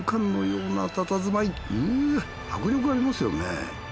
う迫力ありますよね。